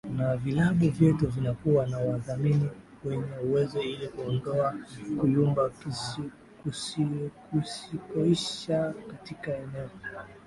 na vilabu vyetu vinakuwa na wadhamini wenye uwezo ili kuondoa kuyumba kusikoishaKatika eneo